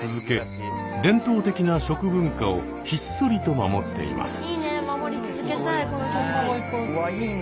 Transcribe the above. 伝統的な食文化をひっそりと守っています。